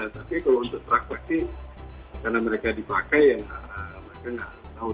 tapi kalau untuk prakteksi karena mereka dipakai ya mereka nggak tahu